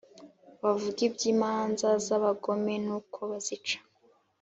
Bavuge iby`imanza z`abagome nuko bazica.